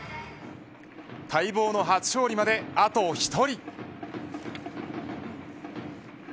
待望の初勝利まであと１人。